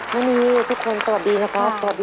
แม่นีทุกคนสวัสดีครับ